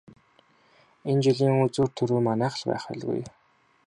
Энэ жилийн үзүүр түрүү манайх л байх байлгүй.